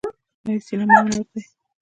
آیا سینما هنر دی؟